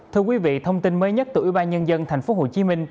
thưa quý vị thông tin mới nhất từ ủy ban nhân dân tp hcm